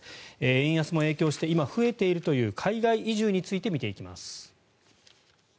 円安も影響して今、増えているという海外移住について見ていきます。